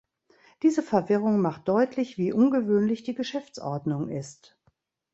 Diese Verwirrung macht deutlich, wie ungewöhnlich die Geschäftsordnung ist.